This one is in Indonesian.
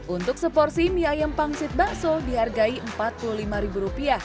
untuk seporsi mie ayam pangsit bakso dihargai rp empat puluh lima